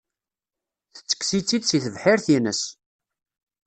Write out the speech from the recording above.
Tettekkes-itt-id si tebḥirt-ines.